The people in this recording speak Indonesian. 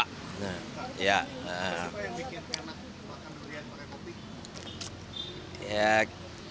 bagaimana cara membuat enak makan durian pakai kopi